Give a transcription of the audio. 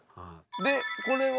でこれは？